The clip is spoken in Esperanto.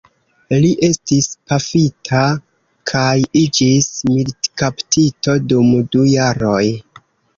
Li estis pafita kaj iĝis militkaptito dum du jaroj.